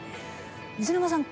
水沼さん